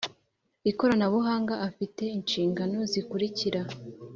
Ikoranabuhanga afite inshingano zikurikira